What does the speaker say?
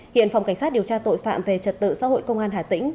hiện phòng cảnh sát điều tra tội phạm về trật tự xã hội công an hà tĩnh